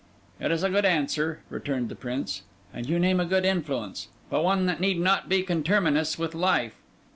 'It is a good answer,' returned the Prince; 'and you name a good influence, but one that need not be conterminous with life.